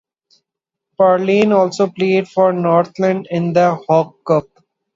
Parlane also played for Northland in the Hawke Cup.